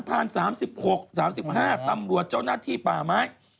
พราน๓๖๓๕ตำรวจเจ้านักที่ป่าม้าย